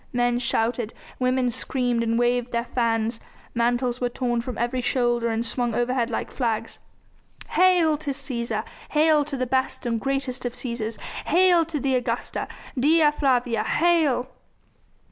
Men shouted, women screamed and waved their fans, mantles were torn from every shoulder and swung overhead like flags. "Hail to Cæsar! Hail to the best and greatest of Cæsars! Hail to the Augusta! Dea Flavia, hail!"